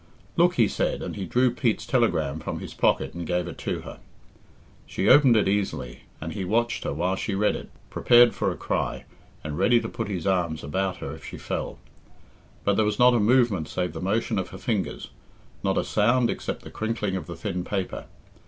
"Look!" he said, and he drew Pete's telegram from his pocket and gave it to her. She opened it easily, and he watched her while she read it, prepared for a cry, and ready to put his arms about her if she fell. But there was not a movement save the motion of her fingers, not a sound except the crinking of the thin paper.